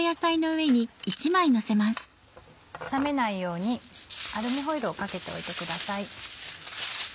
冷めないようにアルミホイルをかけておいてください。